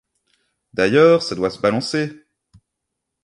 D’ailleurs, ça doit se balancer.